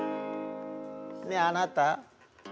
「ねえあなた。